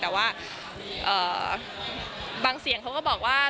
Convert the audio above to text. แต่ว่าบางเสียงเขาก็บอกว่า